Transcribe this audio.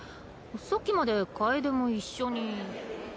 さっきまで楓も一緒に。